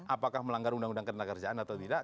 apakah melanggar undang undang ketenangan kerjaan atau tidak